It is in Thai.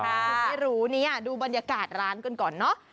ให้รู้ดูบรรยากาศร้านก่อนเนอะ